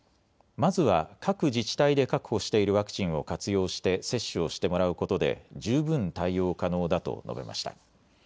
まずは各自治体で確保しているワクチンを活用して接種をしてもらうことで十分対応可能だと述べました。